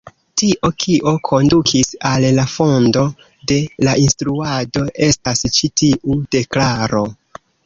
Tio, kio kondukis al la fondo de la instruado, estas ĉi tiu deklaro.